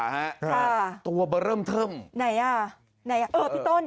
ครับตัวเบอร์เติ่มเทิ่มไหนไหน